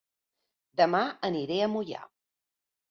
Dema aniré a Moià